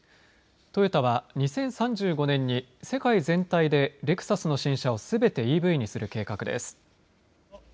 トヨタは２０３５年に世界全体でレクサスの新車をすべてＥＶにする計画です。